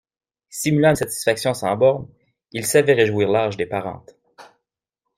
Simulant une satisfaction sans bornes, il savait réjouir l'âge des parentes.